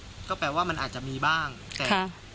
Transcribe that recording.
อืมก็แปลว่ามันอาจจะมีบ้างค่ะ